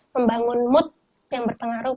membangun mood yang berpengaruh